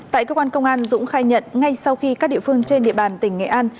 tại cơ quan công an dũng khai nhận ngay sau khi các địa phương trên địa bàn tỉnh nghệ an